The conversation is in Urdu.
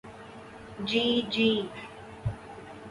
جی جی۔